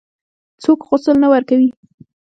څوک غسل نه ورکوي.